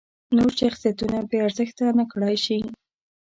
نور شخصیتونه بې ارزښته نکړای شي.